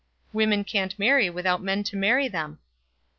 "Women can't marry without men to marry them."